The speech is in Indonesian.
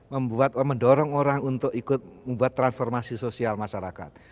membuat mendorong orang untuk ikut membuat transformasi sosial masyarakat